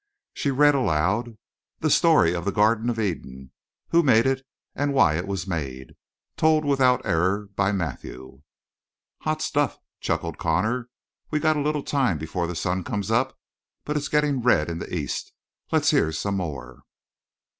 She read aloud: "The story of the Garden of Eden, who made it and why it was made. Told without error by Matthew." "Hot stuff!" chuckled Connor. "We got a little time before the sun comes up. But it's getting red in the east. Let's hear some more."